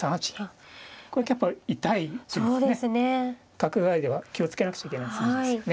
角換わりでは気をつけなくちゃいけない筋ですよね。